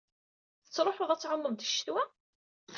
Tettruḥuḍ ad tɛummeḍ di ccetwa?